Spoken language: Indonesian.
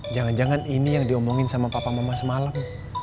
jangan jangan ini yang diomongin sama papa mama semalam